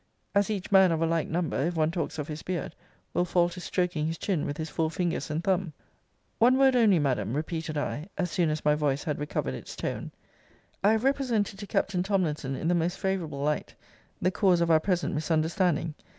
As each man of a like number, if one talks of his beard, will fall to stroking his chin with his four fingers and thumb. One word only, Madam, repeated I, (as soon as my voice had recovered its tone,) I have represented to Captain Tomlinson in the most favourable light the cause of our present misunderstanding.